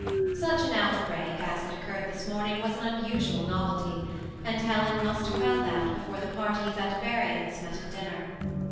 Such an outbreak as had occurred this morning was an unusual novelty ; and Helen must quell that, before the parties at variance met at dinner.